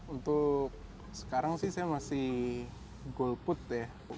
untuk sekarang sih saya masih golput ya